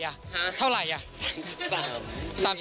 ทุกคนมีหน้า๓บาท